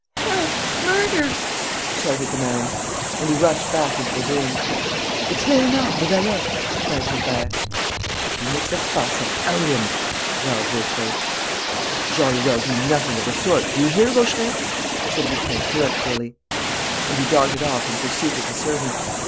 "Help! Murder!" shouted the man. And he rushed back into the room. "It's Léonard, the valet!" cried Gilbert. "If he makes a fuss, I'll out him," growled Vaucheray. "You'll jolly well do nothing of the sort, do you hear, Vaucheray?" said Lupin, peremptorily. And he darted off in pursuit of the servant.